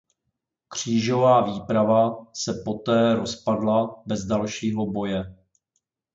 Křížová výprava se poté rozpadla bez dalšího boje.